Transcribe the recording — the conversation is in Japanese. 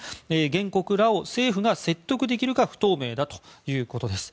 原告らを政府が説得できるか不透明だということです。